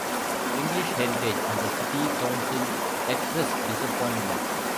English Heritage and the city council expressed disappointment.